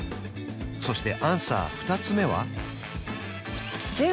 そしてアンサー２つ目は？